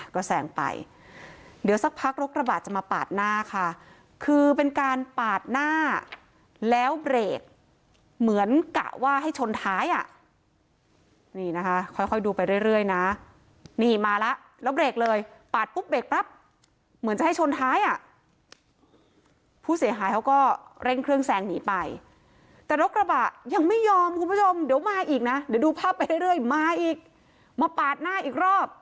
ก็แซงไปเดี๋ยวสักพักรถกระบะจะมาปาดหน้าค่ะคือเป็นการปาดหน้าแล้วเบรกเหมือนกะว่าให้ชนท้ายอ่ะนี่นะคะค่อยดูไปเรื่อยนะนี่มาแล้วแล้วเบรกเลยปาดปุ๊บเบรกปั๊บเหมือนจะให้ชนท้ายอ่ะผู้เสียหายเขาก็เร่งเครื่องแซงหนีไปแต่รถกระบะยังไม่ยอมคุณผู้ชมเดี๋ยวมาอีกนะเดี๋ยวดูภาพไปเรื่อยมาอีกมาปาดหน้าอีกรอบ